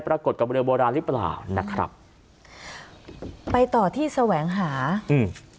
ปรากฏกับเรือโบราณหรือเปล่านะครับไปต่อที่แสวงหาอืม